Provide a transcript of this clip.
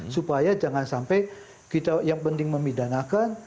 supaya jangan sampai kita yang penting memidanakan